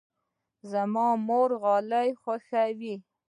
زما مور غالۍ خوښوي.